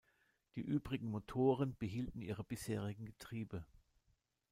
Die übrigen Motoren behielten ihre bisherigen Getriebe.